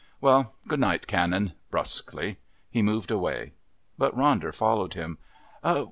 "Well, good night, Canon," brusquely. He moved away. But Ronder followed him.